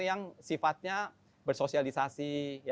yang sifatnya bersosialisasi